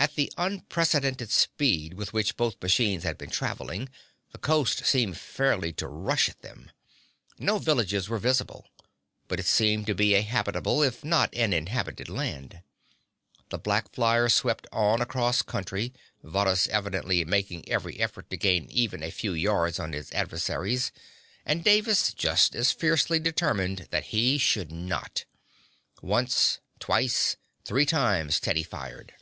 At the unprecedented speed with which both machines had been traveling the coast seemed fairly to rush at them. No villages were visible, but it seemed to be a habitable, if not an inhabited, land. The black flyer swept on across country, Varrhus evidently making every effort to gain even a few yards on his adversaries, and Davis just as fiercely determined that he should not. Once, twice, three times Teddy fired.